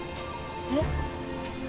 えっ？